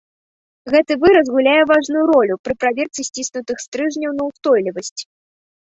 Гэты выраз гуляе важную ролю пры праверцы сціснутых стрыжняў на ўстойлівасць.